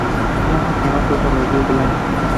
No funciona todos los días del año.